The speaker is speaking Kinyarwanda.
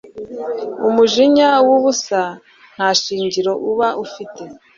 umujinya w'ubusa nta shingiro uba ufite